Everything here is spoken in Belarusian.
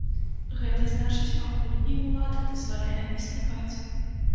Гэта значыць, пакуль ім улада дазваляе існаваць.